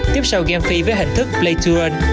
tiếp sau game phi với hình thức play to earn